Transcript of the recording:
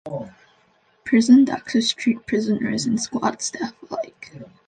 Prison doctors treat prisoners and Squad staff alike.